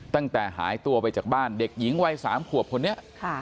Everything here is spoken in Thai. ตั้งแต่หายตัวไปจากบ้านเด็กหญิงวัย๓ขวบคนนี้